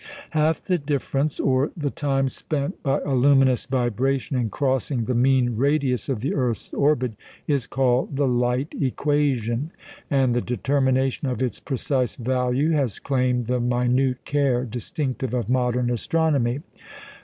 Half the difference, or the time spent by a luminous vibration in crossing the "mean radius" of the earth's orbit, is called the "light equation"; and the determination of its precise value has claimed the minute care distinctive of modern astronomy.